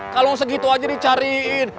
kalau segitu aja dicariin